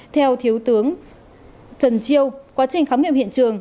theo thiếu tướng trần triều quá trình khám nghiệm hiện trường